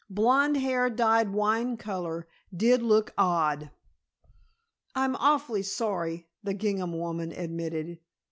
Blonde hair dyed wine color did look odd. "I'm awfully sorry," the gingham woman admitted.